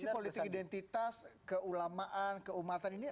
anda predisi politik identitas keulamaan keumatan ini